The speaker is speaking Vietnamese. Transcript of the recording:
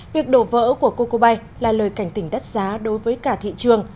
việc đổ vỡ của coco bay là lời cảnh tỉnh đắt giá đối với cả thị trường